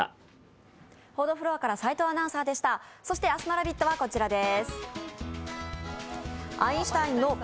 そして明日の「ラヴィット！」はこちらです。